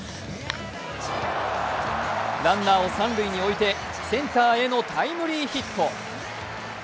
ランナーを三塁に置いてセンターへのタイムリーヒット。